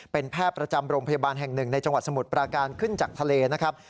เป็นแพทย์ประจำโรงพยาบาลแห่งหนึ่งในจังหวัดสมุทรปราการขึ้นจากทะเลนะครับ